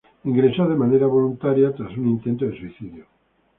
Ingresó de manera voluntaria tras un intento de suicidio.